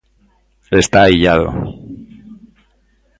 Está illado.